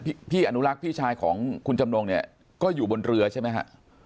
พี่อนุรักษ์พี่ชายของคุณจำนงเนี่ยก็อยู่บนเรือใช่ไหมฮะ